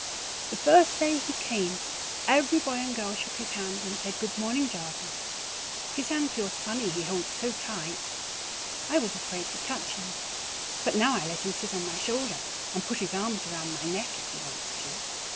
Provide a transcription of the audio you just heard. The first day he come every boy and girl shook his hand and said good morning java his hand feels funny he holds so tite. I was afraid to touch him but now I let him sit on my shoulder and put his arms around my kneck if he wants to.